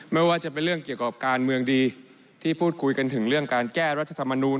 ไม่ว่าจะเป็นเรื่องเกี่ยวกับการเมืองดีที่พูดคุยกันถึงเรื่องการแก้รัฐธรรมนูล